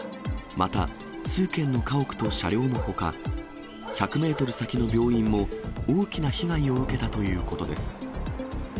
また、数軒の家屋と車両のほか、１００メートル先の病院も大きな被害を受けたということです。